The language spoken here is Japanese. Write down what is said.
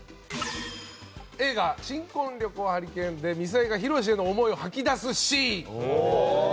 映画「新婚旅行ハリケーン」でみさえがひろしへの思いを吐き出すシーン。